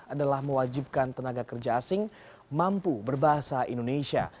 adalah mewajibkan tenaga kerja asing mampu berbahasa indonesia